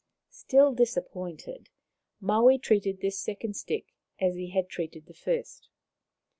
Still disappointed, Maui treated this second stick as he had treated the first.